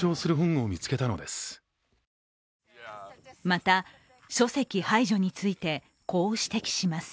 また、書籍排除についてこう指摘します。